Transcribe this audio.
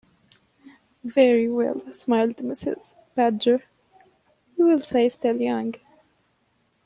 "Very well," smiled Mrs. Badger, "we will say still young."